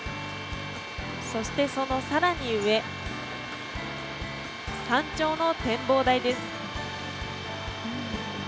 そして、そのさらに上山頂の展望台です。